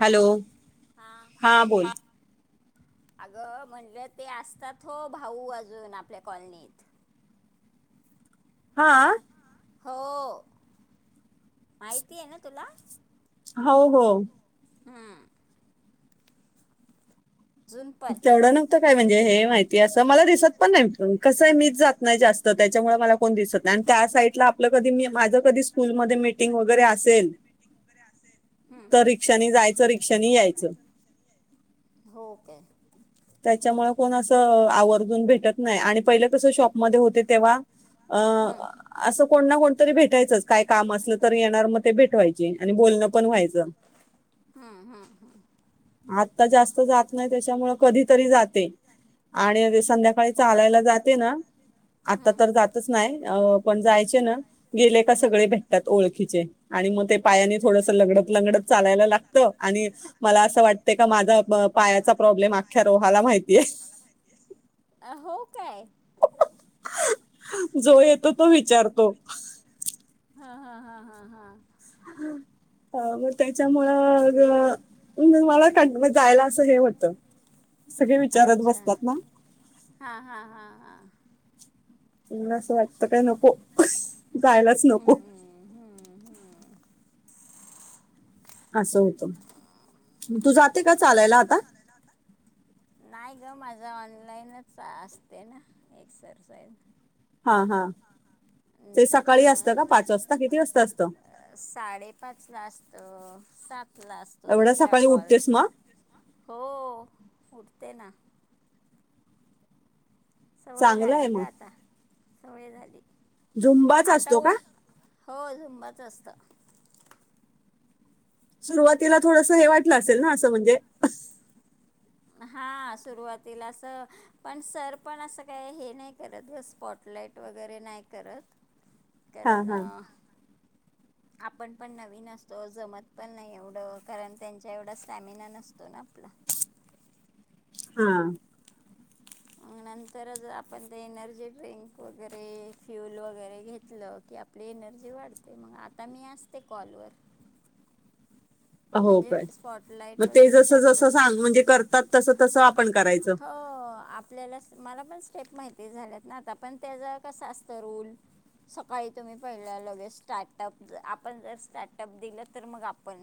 Hello हां हा बोल अगं म्हटलं ते असतात हो भाऊ अजून आपल्या कॉलनीत हा हो माहिती आहे ना तुला हो हो हम्म झुूनपल तेवढं नव्हतं काय म्हणजे हे माहिती अस मला दिसत पण नाही कसय मीच जात नाही जास्त त्याच्यामुळे मला कोण दिसत नाही त्या साईडला आपल कधी माझ कधी स्कूल मटिंग वगैरे असेल हम्म तर रिक्षानी जायचं रिक्षानी यायचं हो काय त्याच्यामुळे कोण असं आवर्जून भेटत नाही आणि पहिलं कसं शॉपमध्ये होते तेव्हा अ हम्म असं कोण ना कोणतरी भेटयंच काय काम असलं तरी येणार मग ते भेट व्हायची आणि बोलण हम्म हम्म हम्म आत्ता जास्त जात नाही त्याच्यामुळ कधीतरी जाते आणि संध्याकाळी चालायला जाते ना आता हम्म तर जातच नाही अ पण जायचे ना गेले क हम्म सगळे भेटतात ओळखीचे आणि मग ते पायाने थोडस लगडत लगडत चालायला लागतं आणि मला असं वाटतं का माझा पायाचा प्रॉब्लेम त्या रोहाला माहितीय अ हो काय [unintelligible] [unintelligible] जो येतो तो विचारतो. हा हा हा हा हा हम अ मग त्याच्यामुळं मग मला क जायला असं हे होत अच्छा हा. हा. हा. हा. तुला असं वाटतं काय नको जायलाच नको हम्म हम्म हम्म असं होतं तू जाते का चालायला आता जो माझा ऑनलाईनच असते ना एक्सरसाईज [unintelligible] हा हा ते सकाळी असतं त्याच्यामुळं का पाच वाजता किती वाजता असतं साडेपाच ला असत सात ला असतो एवढ्या दुसरा सकाळी कॉल उठतेस मग हो... देना सवय चांगलं आहे झाली ग मग आता सवय झाली. झुंबाच आता असतो का? उल हो झुंबाच असत सुरुवातीला थोडस हे वाटलं असेल ना असं म्हणजे हां. हा सुरुवातीला अस पण सर पण असं काय हे नाही करत स्पॉट डेट वगैरे नाही करत. [inaudible] हा करणं... [inaudible] आपण पण नवीन असतो जमत पण नाही एवढं कारण त्यांच्या एवढा स्टॅमिना नसतो ना आपला. हा.. मग [inaudible] नंतरच आपण ते एनर्जी ड्रिंक वगैरे फ्युल वगैरे घेतलं की आपली ए एनर्जी वाढते मग आता मी असते कॉल वर. [unintelligible] [inaudible] हो काय? स्पॉटलाईट ते वगैरे जस जस करतच सांग म्हणजे करतात तस तसं आपण करायचं हा आपल्याला मला पण स्टेप माहिती झाल्यात ना आता पण त्याचा कसं असतं रूल सकाळी तुम्ही पहिल्या लगेच स्टार्टअप आपण जर स्टार्टअप दिलं तर मग आपण.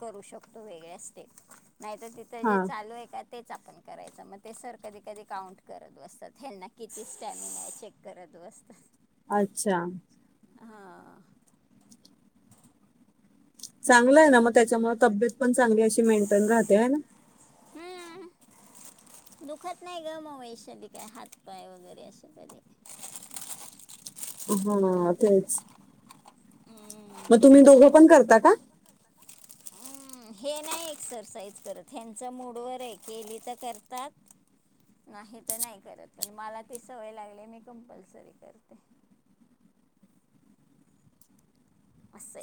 करू शकतो वेगळ्या स्टेप नाहीत तिथं जे हा चालू आहे का? तेच आपण करायचं मग ते सर कधी कधी काउंट करत बसतात हना किती स्टॅमिना आहे चेक करत. मस्त हा अच्छा हां चांगलं आहे ना मग त्याच्यामुळे तब्येत पण चांगली अशी मेंटेन राहते आहे ना. हम्म दुखत नाही ग मग वैशाली काय? हातपाय वगैरे असे कधी? [inaudible] हा हा तेच मग हम्म, तुम्ही दोघं पण करता का? हम्म, हे नाही एक्सरसाईज करत ह्यांच मूडवर आहे केली तर करतात नाही तर नाही करत पण मला ते सवय लागली मी कंपलसरी करते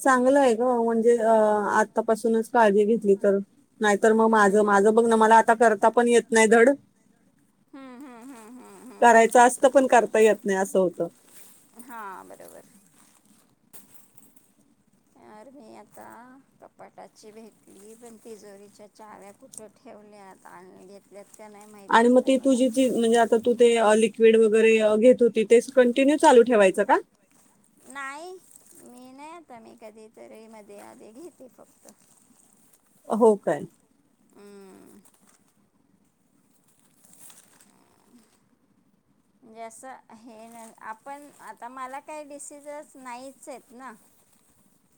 चांगलं आहे ग म्हणजे अ आतापासूनच काळजी घेतली तर नाहीतर मग माझं हम्म, माझं बघ ना मला आता करता पण येत नाही धड हम्म, हम्म, हम्म, हम्म, हम्म. करायचं असत पण करता येत नाही असं होत हा बरोबर [unintelligible] तर मी आता कपाटाची भेटली पण तिजोरीच्या चाव्या कुठे ठेवल्यात [unintelligible] आणि घेतलात [unintelligible] आणि म ती तुझी जी म्हणजे आता तू ते [unintelligible] बेड वगरे अं घेत होती तेस कंटिन्यू चालू ठेवायचं का? नाइ मी नाइ आता मी कधीतरी मध्ये आधी घेते फक्त हो काय. हम्म. [unintelligible] म्हणजे असं हे न आपण आता मला काही डिसिजस नाहीच आहेत ना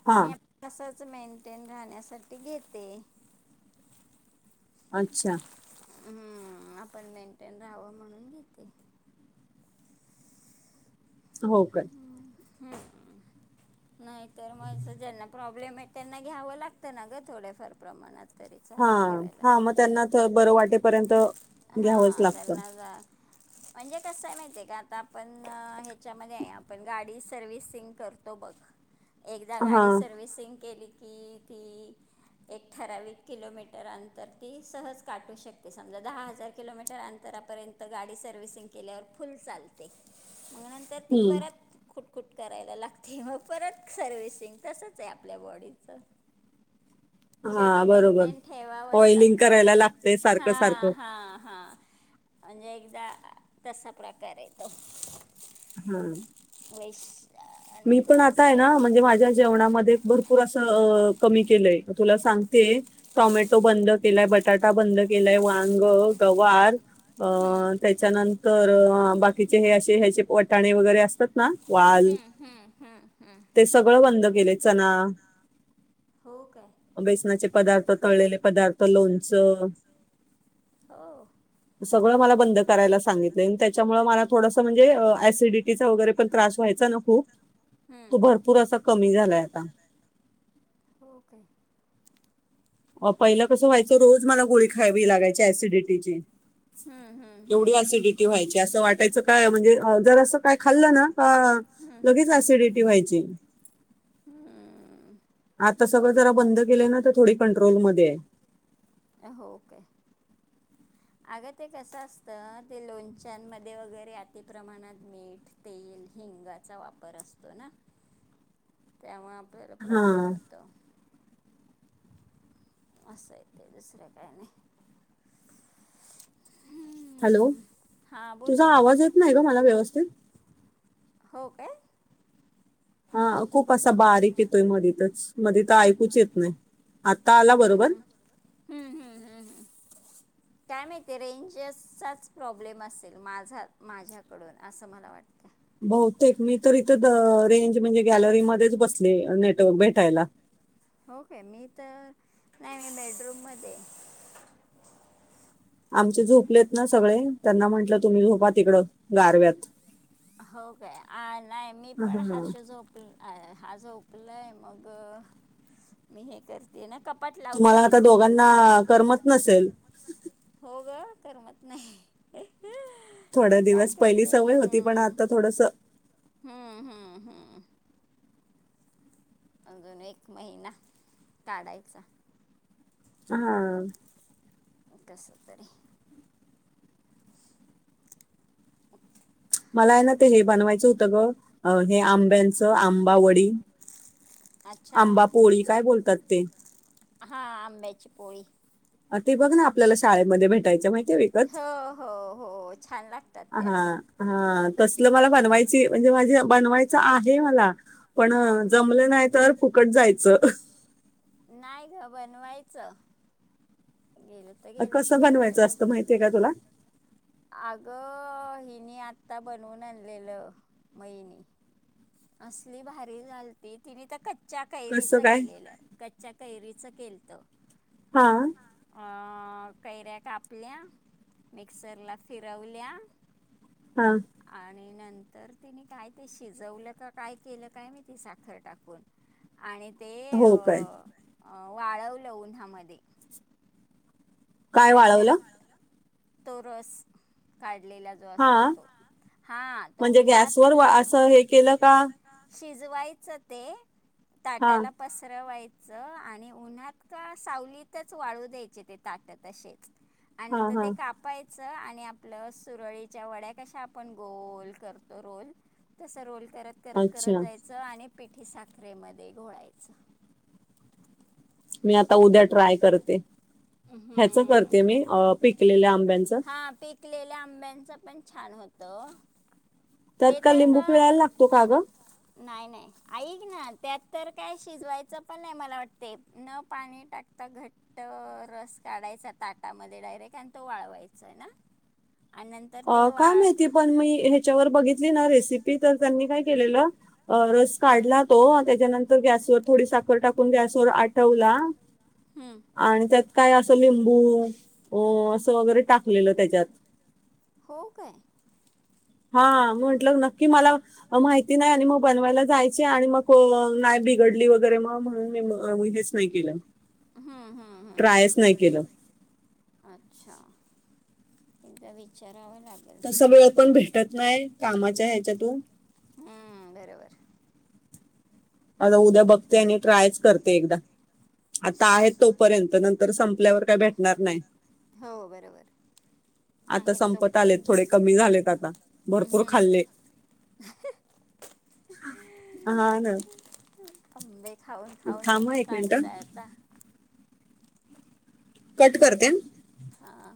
हा. तसच मेंटेन राहण्यासाठी घेते. अच्छा. हम्म आपण मेंटेन राहवं म्हणून घेते. हो कल हम्म नाहीतर म ज्यांना प्रॉब् ब्लेम हायत त्यांना घ्यावं लागतं ना गं थोडेफार प्रमाणात तरी हा चालू ठेवायला हा म त्यांना ते बरं वाटेपर्यंत हा त्यांना जा ह [inaudible] म्हणजे कसं हाय माहितीय का आता आपण नं हेच्यामध्ये हाय आपण गाडी सर्विसिंग करतो बघ. [inaudible] एकदा हा गाडी सर्विसिंग केली की ती [inaudible] एक ठराविक किलोमीटर अंतर ती सहज काटू शकते समजा दहा हजा हजार किलोमीटर अंतरापर्यंत गाडी सर्व्हिसिंग केल्यावर फुल चालते. म नंतर ती हम्म परत खु कुट करायला लागते मग परत सर्विसिंग तसचं हाय आपल्या बॉडीचं. शेवटी हा बरोबर मेंटेन ठेवावंच ऑइलिंग करायला लागतेय सारखं सारखं. हा हा म्हणजे एकदा तसा प्रकार येतो. हम्म. [inaudible] मी नाही पण नावच आता हाय घेत ना म्हणजे माझ्या जेवणामध्ये भरपूर असं अं कमी केलंय तुला सांग ते टॉमॅटो बंद केलाय बटाटा बंद केलाय वांग गवार अं त्याच्यानंत तर हं बाकीचे हे असे ह्याचे वटाणे वगरे असतात ना वाल हं, हं, हं, हं. ते सगळं बंद केलंय चना हो काय बेसनाचे पदार्थ तळलेले पदार्थ लोणच हो. सगळं मला बंद करायला सांगितलंय त्याच्यामुळे मला थोडसं म्हणजे ऍसिडिटीचा वगरे पण त्रास व्हायचा न खूप हं, तो भरपूर असा कमी झालाय आता. हो का. म पहिलं कसं व्हायचं रोज मला गोळी खावी लागायची ऍसिडिटीची हं, हं, एवढी हं, ऍसिडिटी व्हायची असं वाटायचं काय म्हणजे अं जर असं काय खाल्लं ना अं लगेच ऍसिडिटी व्हायची. ह्म्म्म. आता सगळं जरा बंद केलंय ना तर थोडी कंट्रोल मध्येय. [inaudible] ह [inaudible] अगं ते कसं असतं ते लोणच्यांमध्ये वगरे अतिप्रमाणात मीठ, तेल हिंगाचा वापर असतो ना. [inaudible] त्यामुळे आपल्याला हा प्रॉब्लेम हुतो. असंय ते दुसरं काय नाही. हॅलो हम्म. हा बोल तुझा ना आवाज येत नाही ग मला व्यवस्थित. हो काय. हा खूप असा बारीक येतोय, मध्येतच मध्ये तर ऐकूच येत नाही. आता आला हम्म बरोबर हम्म हम्म हम्म हम्म हम्म. [inaudible] काय माहिती आहे रेंजसचाच प्रॉब्लेम असेल, माझा माझ्याकडून असं मला वाटतं. बहुतेक मी तर इथं रेंज म्हणजे गॅलरीमध्येध्येच बसले नेटवर्क भेटायला. होके मी तर नाही बेडरूम मध्ये आमचे झोपलेत ना सगळे त्यांना म्हंटलं तुम्ही झोपा तिकडं गारव्यात हो काय नाही मी पण हर्ष झोपले हा झोपलाय मग मी हे करते ना कपाट तुम्हाला लावतीये आता ना दोघांना करमत नसेल हो ग करमत नाही थोड दिवस पहिली सवय होती पण हम आता थोडस हम्म हम्म हम्म अजून एक महिना काढायचा हा एक कसत्तरी मला आहे ना ते हे बनवायचं होतं ग हे आंब्यांचं आंबावडी अच्छा आंबा पोळी काय बोलतात ते हा आंबेची पोळी ते बघ ना आपल्याला शाळेमध्ये भेटायच्या माहि हो हो हो छान लागतात त्या हा हा तसलं मला बनवायची म्हणजे माझे बनवायचं आहे मला पण हां जमलं नाही तर फुकट जायचं नाही ग बनवायचं गेलं तर गेलं कसं बनवायचं असतं माहितीय का तुला अग हिनी आता बनवून आणलेलं महिनी असली भारी झालती तिने कच कच्च्या कैरीच कसं काय केलेलं आहे कच्च्या कैरीचं केलत हा अ कैऱ्या कापल्या मिक्सर ला फिरवल्या हा आणि नंतर तिने काय ते शिजवलं का काय केलं काय मी ती साखर टाकून आणि ते हो काय वाळवलं उन्हामध्ये काय आणि नं वाळवलं तो रस काय हा असो हा ते म्हणजे उन्हात गॅसवर वा- असं हे केलं का शिजवायचं ते हा ताटाला पसरवायच च आणि उन्हात का सावलीतच वाळू द्यायचे ते ताटत तसेच आणि हा नंतर ते हा कापाय आणि आपलं सुरळीच्या वड्या कशा आपण गोल करतो रोल तस रोल करत करत करत अच्छा जायचं आणि प साखरेमध्ये घोळायचं मी आता उद्या ट्राय करते ह्याच हम्म. करते मी पिकलेले आ हा पिकलेल्या आंब्यांच पण छान होत त्यात का लिंबू पिळायला लागतो का गं नाही नाही ऐक ना त्यात तर काय शिजवायचं पण नाही मला वाटते न पाणी टाक आता घट्ट रस काढायचा ताटामध्ये डायरेक्ट आणि तो वाळवायचा आहे ना [unintelligible] आणि नंतर अ ते काय वाळ माहिती पण मी ह्याच्यावर बघितली ना रेसिपी तर त्यांनी काय केलेलं. रस हम्म, काढला तो त्याच्यानंतर गॅसवर थोडी साखर टाकून गॅसवर आठवला. हम्म. आणि त्यात. काय असं लिंबू अ असं वगैरे टाकलेलं त्याच्यात. हो काय. हा म्हटलं नक्की मला माहिती नाही आणि मग बनवायला जायचे. आणि मग नाही बिघडली वगैरे मग म्हणून मी हेच नाही केलं. हम्म हम्म हम्म ट्रायच नाही केलं. अच्छा. एकदा विचार. तस वेळ पण भेटत नाही कामाच्या ह्याच्यातून हम्म बरोबर. आता उद्या बघते आणि ट्रायच करते एकदा आता आहेत तोपर्यंत नंतर. तर संपल्यावर काही भेटणार नाही. हो बरोबर. आता आहे संपत आलेत तोपर्यंत थोडे कमी झालेत आता भरपूर हम्म. खाल्ले. हा ना. आंबे खाऊन खाऊन थांब हं तुम्ही एक मिनिट काढता आता. कट करते. हा.